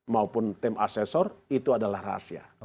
maupun tim asesor itu adalah rahasia